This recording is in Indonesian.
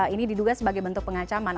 ini diduga sebagai bentuk pengancaman